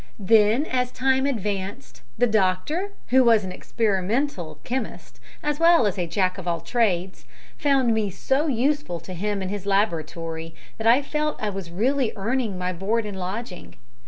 Then, as time advanced, the doctor who was an experimental chemist, as well as a Jack of all trades found me so useful to him in his laboratory, that I felt I was really earning my board and lodging.